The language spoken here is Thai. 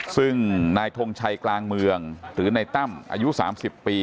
ซึ่งนายทงชัยกลางเมืองหรือในตั้มอายุ๓๐ปี